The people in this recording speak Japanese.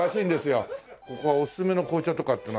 ここはおすすめの紅茶とかっていうのはなんかあるの？